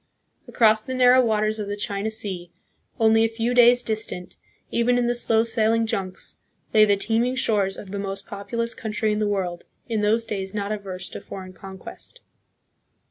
Across the narrow waters of the China Sea, only a few days' distant, even in the slow sailing junks, lay the teeming shores of the most populous country in the world, in those days not averse to foreign conquest.